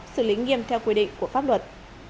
xử lý nghiêm theo quy định của pháp luật